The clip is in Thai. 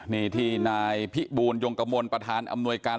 นี่ที่นายพิบูลยงกมลประธานอำนวยการ